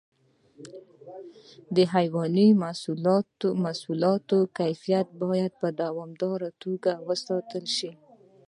د حیواني محصولاتو کیفیت باید په دوامداره توګه وساتل شي.